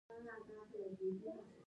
د جنتیانا ریښه د څه لپاره وکاروم؟